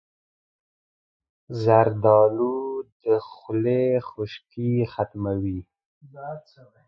زردالو د خولې خشکي ختموي.